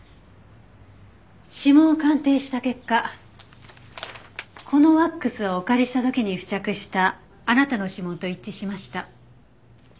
指紋を鑑定した結果このワックスをお借りした時に付着したあなたの指紋と一致しました。